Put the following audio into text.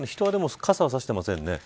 傘を差していませんね。